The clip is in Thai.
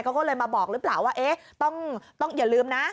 เขาก็เลยมาบอกหรือเปล่าว่าเอ๊ะต้องอย่าลืมนะ